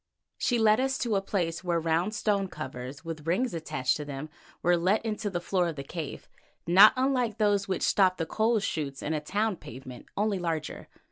She led us to a place where round stone covers with rings attached to them were let into the floor of the cave, not unlike those which stop the coal shoots in a town pavement, only larger.